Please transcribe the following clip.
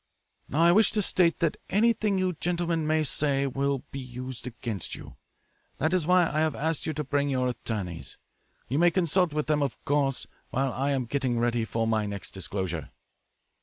"Now I wish to state that anything you gentlemen may say will be used against you. That is why I have asked you to bring your attorneys. You may consult with them, of course, while I am getting ready my next disclosure."